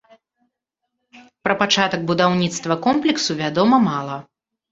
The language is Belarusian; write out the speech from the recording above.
Пра пачатак будаўніцтва комплексу вядома мала.